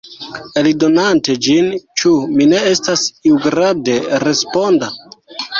Eldonante ĝin, ĉu mi ne estas iugrade responda?